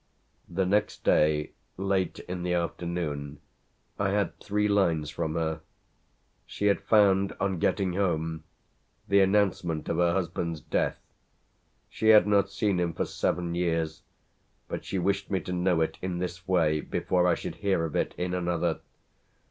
The next day, late in the afternoon, I had three lines from her: she had found on getting home the announcement of her husband's death. She had not seen him for seven years, but she wished me to know it in this way before I should hear of it in another.